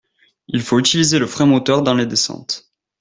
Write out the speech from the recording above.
Il faut utiliser le frein moteur dans les descentes.